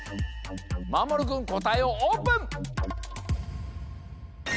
まもるくんこたえをオープン！